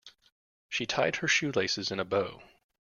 She tied her shoelaces into a bow.